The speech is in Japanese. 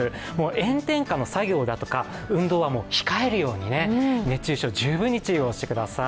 炎天下の作業だとか、運動は控えるように熱中症、十分に注意してください。